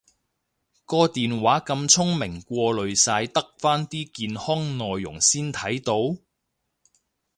個電話咁聰明過濾晒得返健康內容先睇到？